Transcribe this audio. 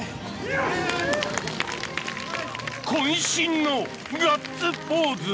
こん身のガッツポーズ！